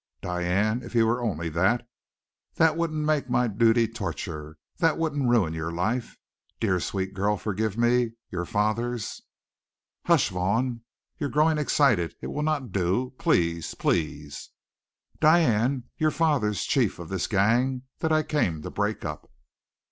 "Diane, if he were only that! That wouldn't make my duty torture. That wouldn't ruin your life. Dear, sweet girl, forgive me your father's " "Hush, Vaughn. You're growing excited. It will not do. Please please " "Diane, your father's chief of this gang that I came to break up."